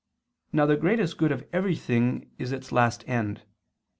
Now the greatest good of everything is its last end.